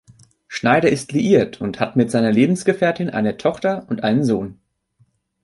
Schneider ist liiert und hat mit seiner Lebensgefährtin eine Tochter und einen Sohn.